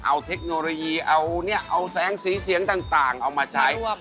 เอาเทคโนโลยีเอาแสงสีเสียงต่างเอามาใช้